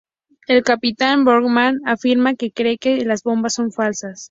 El Capitán Boomerang afirma que cree que las bombas son falsas.